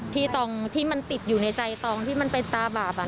ตองที่มันติดอยู่ในใจตองที่มันเป็นตาบาป